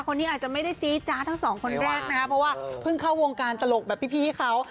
คนนี้อาจจะไม่ได้ซี้จ๊ะทั้งสองคนแรกนะคะเพราะว่าเพิ่งเข้าวงการตลกแบบพี่เขา